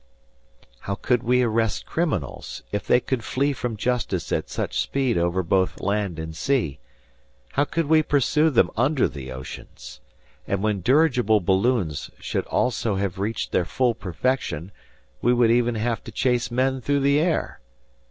How could we arrest criminals, if they could flee from justice at such speed over both land and sea? How could we pursue them under the oceans? And when dirigible balloons should also have reached their full perfection, we would even have to chase men through the air!